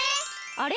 あれ？